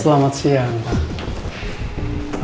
selamat siang pak